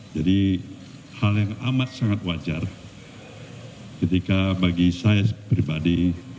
jadi hal yang amat sangat wajar ketika bagi saya pribadi